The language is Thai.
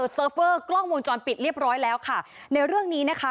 เฟิร์ฟเวอร์กล้องวงจรปิดเรียบร้อยแล้วค่ะในเรื่องนี้นะคะ